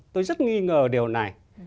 tôi rất nghi ngờ điều này